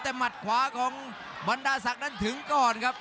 แต่หมัดขวาของบรรดาศักดิ์นั้นถึงก่อนครับ